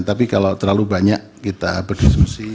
tapi kalau terlalu banyak kita berdiskusi